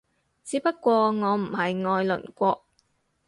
只不過我唔係愛鄰國